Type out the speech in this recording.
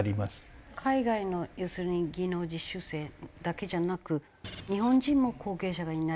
海外の要するに技能実習生だけじゃなく日本人も後継者がいないと？